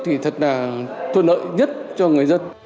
thì thật là thuận lợi nhất cho người dân